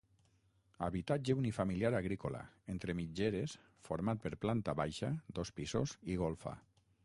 Habitatge unifamiliar agrícola, entre mitgeres, format per planta baixa, dos pisos i golfa.